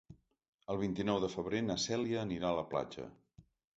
El vint-i-nou de febrer na Cèlia anirà a la platja.